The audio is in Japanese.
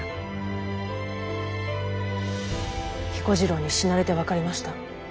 彦次郎に死なれて分かりました。